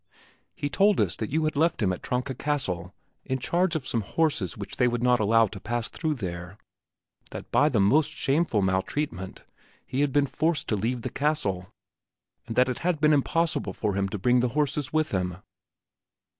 He told us that you had left him at Tronka Castle in charge of some horses which they would not allow to pass through there, that by the most shameful maltreatment he had been forced to leave the castle, and that it had been impossible for him to bring the horses with him."